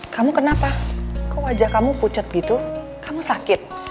kamu kenapa kok wajah kamu pucet gitu kamu sakit